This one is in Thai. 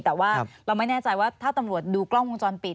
แต่ว่าเราไม่แน่ใจว่าถ้าตำรวจดูกล้องวงจรปิด